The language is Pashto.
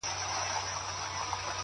o ه یاره دا زه څه اورمه، څه وینمه،